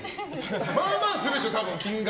まあまあするでしょ金額。